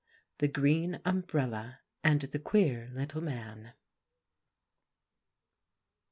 THE GREEN UMBRELLA AND THE QUEER LITTLE MAN.